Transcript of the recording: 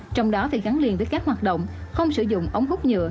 trong đó phải gắn liền với các hoạt động không sử dụng ống hút nhựa